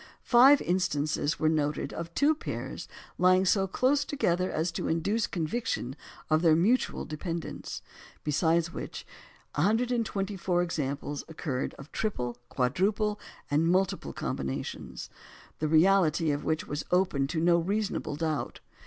Five instances were noted of two pairs lying so close together as to induce a conviction of their mutual dependence; besides which, 124 examples occurred of triple, quadruple, and multiple combinations, the reality of which was open to no reasonable doubt.